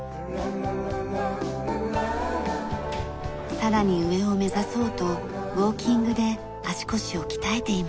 さらに上を目指そうとウォーキングで足腰を鍛えています。